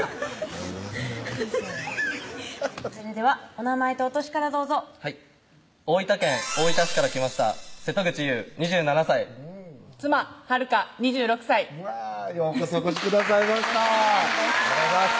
それではお名前とお歳からどうぞはい大分県大分市から来ました瀬戸口雄２７歳妻・晴香２６歳うわようこそお越しくださいましたお願いします